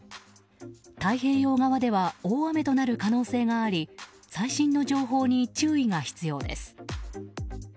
太平洋側では大雨となる可能性があり最新の情報に注意が必要です。